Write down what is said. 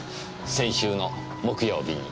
先週の木曜日に。